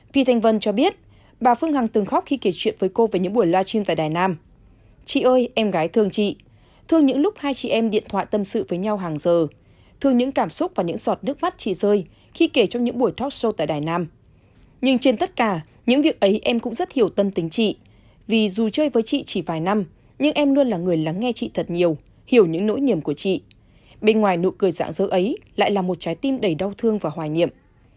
phi thanh vân cho biết bà phương hằng từng khóc khi kể chuyện với cô về những buổi live stream tại đài nam